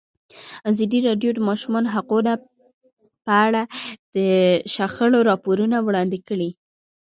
ازادي راډیو د د ماشومانو حقونه په اړه د شخړو راپورونه وړاندې کړي.